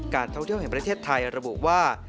การท่องเที่ยวแห่งประเทศไทยระบุว่า